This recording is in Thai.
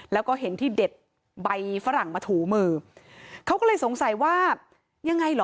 แล้วก็เห็นที่เด็ดใบฝรั่งมาถูมือเขาก็เลยสงสัยว่ายังไงเหรอ